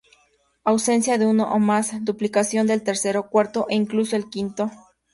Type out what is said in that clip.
Ausencia de uno o más; duplicación del tercero, cuarto o incluso el quinto.